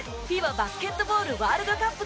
ＦＩＢＡバスケットボールワールドカップ